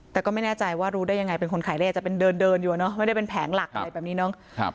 แต่ก็ไม่แน่ใจว่ารู้ได้ยังไงเป็นคนขายเลขจะเป็นเดินเดินอยู่เนอะไม่ได้เป็นแผงหลักอะไรแบบนี้เนาะ